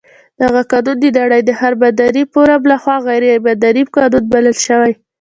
دغه قانون د نړۍ د هر مدني فورم لخوا غیر مدني قانون بلل شوی.